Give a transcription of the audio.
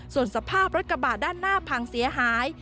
ส่วนสภาพรถกระบะด้านหน้าพังเสียหาย